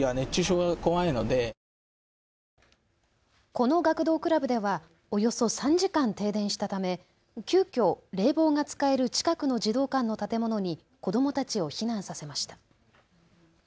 この学童クラブではおよそ３時間、停電したため急きょ冷房が使える近くの児童館の建物に子どもたちを避難させました。